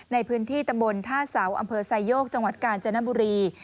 ในพื้นที่ตำบลท่าเสาอำเภอไซโยกจังหวัดกาญจนบุรี